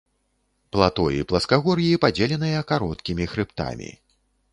Плато і пласкагор'і, падзеленыя кароткімі хрыбтамі.